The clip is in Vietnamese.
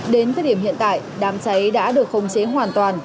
đến thời điểm hiện tại đám cháy đã được khống chế hoàn toàn